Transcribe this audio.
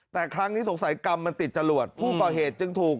แต่ครั้งนี้สงสัยกรรมมันติดจรวดผู้ก่อเหตุจึงถูก